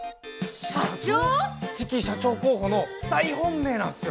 次期社長候補の大本命なんすよ。